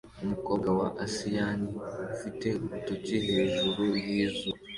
Umukobwa wa asiyani ufite urutoki hejuru yizuru